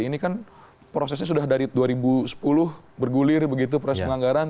ini kan prosesnya sudah dari dua ribu sepuluh bergulir begitu proses penganggaran